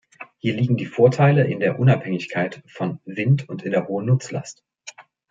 Hier liegen die Vorteile in der Unabhängigkeit von Wind und in der hohen Nutzlast.